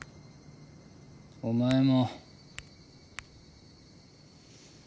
お前も。